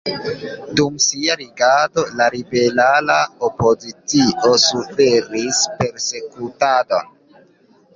Dum sia regado la liberala opozicio suferis persekutadon.